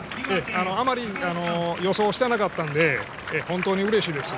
あまり予想してなかったので本当にうれしいです。